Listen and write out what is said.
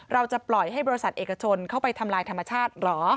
เราจะปล่อยให้บริษัทเอกชนเข้าไปทำลายธรรมชาติเหรอ